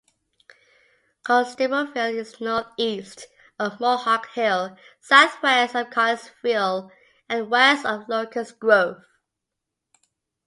Constableville is northeast of Mohawk Hill, southwest of Collinsville, and west of Locust Grove.